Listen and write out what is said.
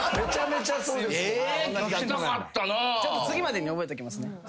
次までに覚えときますね。